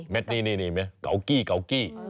เม็ดนี้เป็นเกาะกี้